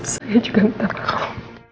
saya juga tidak tahu